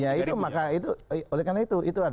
ya itu maka itu oleh karena itu